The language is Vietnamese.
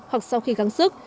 hoặc sau khi gắng sức